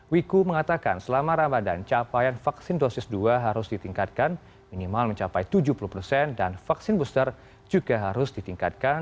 wiku mengatakan selama ramadan capaian vaksin dosis dua harus ditingkatkan minimal mencapai tujuh puluh persen dan vaksin booster juga harus ditingkatkan